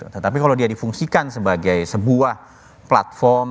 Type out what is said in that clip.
tetapi kalau dia difungsikan sebagai sebuah platform